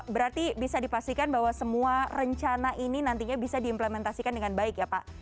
berarti bisa dipastikan bahwa semua rencana ini nantinya bisa diimplementasikan dengan baik ya pak